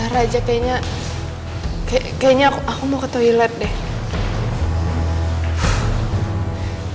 raja kayaknya aku mau ke toilet deh